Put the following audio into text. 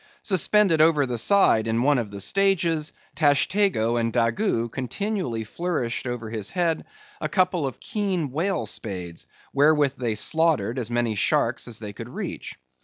Suspended over the side in one of the stages, Tashtego and Daggoo continually flourished over his head a couple of keen whale spades, wherewith they slaughtered as many sharks as they could reach.